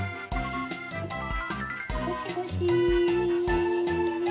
ごしごし。